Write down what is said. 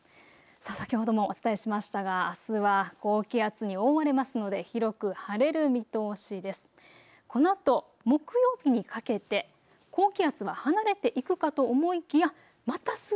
先ほどもお伝えしましたがあすは高気圧に覆われますので広く晴れる見通しです。